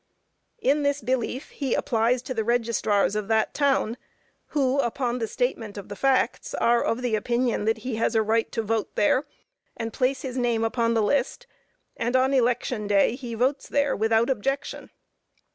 In this belief he applies to the registrars of that town, who upon the statement of the facts, are of the opinion that he has a right to vote there, and place his name upon the list, and on election day he votes there without objection.